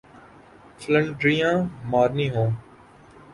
فلنٹریاں مارنی ہوں۔